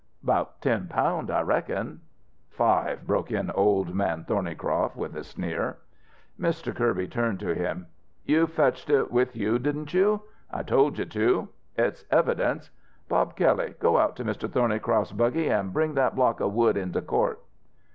"About ten pound. I reckon." "Five," broke in Old Man Thornycroft with a sneer. Mr. Kirby turned to him. "You fetched it with you, didn't you? I told you to. It's evidence. Bob Kelley, go out to Mr. Thornycroft's buggy an' bring that block of wood into court."